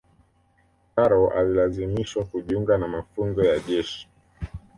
karol alilazimishwa kujiunga na mafunzo ya jeshi